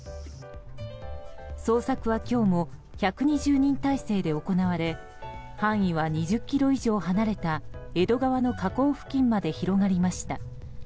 捜索は今日も１２０人態勢で行われ範囲は、２０ｋｍ以上離れた江戸川の河口付近まで広がりました。